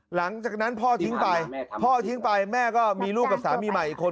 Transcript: หลังจากนั้นพ่อทิ้งไปพ่อทิ้งไปแม่ก็มีลูกกับสามีใหม่อีกคน